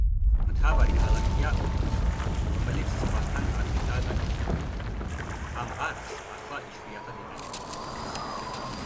მთავარი ქალაქია ოდენსე, რომელიც ზღვასთან არხითაა დაკავშირებული; ამ არხს ახლა იშვიათად იყენებენ.